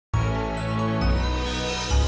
ya ini udah berakhir